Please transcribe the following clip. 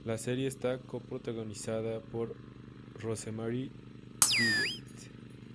La serie está coprotagonizada por Rosemarie DeWitt.